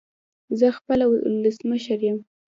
زه خپله ولسمشر يم